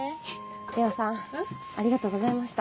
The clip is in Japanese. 玲緒さんありがとうございました。